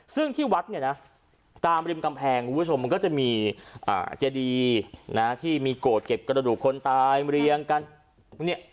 ซึ่งที่วัดตามริมกำแพงมันก็จะมีเจดีที่มีโกรธเก็บกระดูกคนตายมาเลี้ยงกัน